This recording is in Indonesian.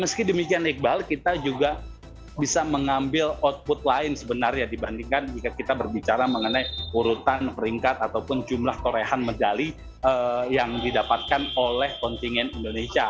meski demikian iqbal kita juga bisa mengambil output lain sebenarnya dibandingkan jika kita berbicara mengenai urutan peringkat ataupun jumlah torehan medali yang didapatkan oleh kontingen indonesia